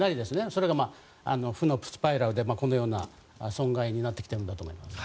それが負のスパイラルということになってきているんだと思います。